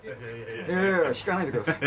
いやいや引かないでください。